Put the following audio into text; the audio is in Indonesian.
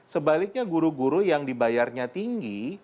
sebaliknya guru guru yang dibayarnya tinggi